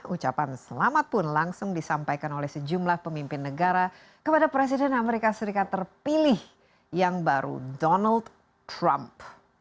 ucapan selamat pun langsung disampaikan oleh sejumlah pemimpin negara kepada presiden amerika serikat terpilih yang baru donald trump